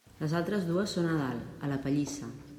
Les altres dues són a dalt, a la pallissa.